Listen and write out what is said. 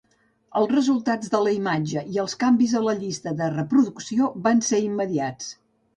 Els resultats de la imatge i els canvis a la llista de reproducció van ser immediats.